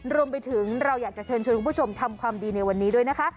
รวมไปถึงเราอยากจะเชิญชวนคุณผู้ชมทำความดีในวันนี้ด้วยนะคะ